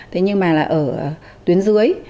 thế nhưng mà là ở tuyến dưới